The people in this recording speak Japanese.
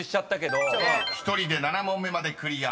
［１人で７問目までクリア。